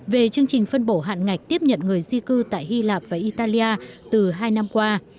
về chương trình phân bổ hạn ngạch tiếp nhận người di cư tại hy lạp và italia từ hai năm qua